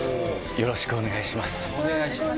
よろしくお願いします。